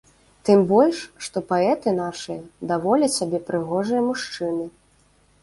Тым больш, што паэты нашыя даволі сабе прыгожыя мужчыны.